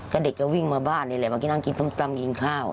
ก็เด็กก็วิ่งมาบ้านนี่แหละเมื่อกี้นั่งกินส้มตำกินข้าว